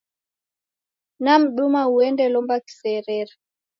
Namduma uende lomba kiserere.